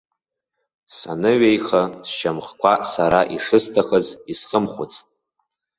Саныҩеиха, сшьамхқәа сара ишысҭахыз исхымхәыцт.